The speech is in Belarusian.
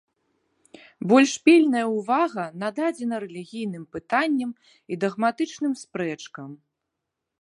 Больш пільная ўвага нададзена рэлігійным пытанням і дагматычным спрэчкам.